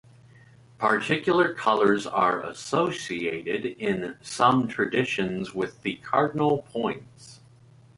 Particular colors are associated in some traditions with the cardinal points.